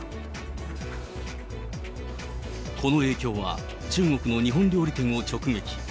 この影響は、中国の日本料理店を直撃。